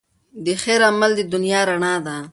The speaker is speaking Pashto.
د خیر عمل د دنیا رڼا ده.